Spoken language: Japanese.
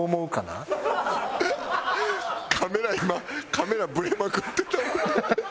カメラ今カメラブレまくってたわ。